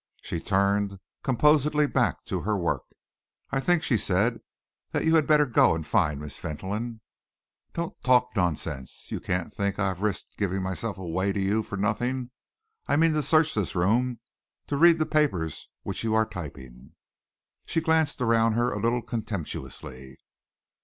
She turned composedly back to her work. "I think," she said, "that you had better go and find Miss Fentolin." "Don't talk nonsense! You can't think I have risked giving myself away to you for nothing? I mean to search this room, to read the papers which you are typing." She glanced around her a little contemptuously.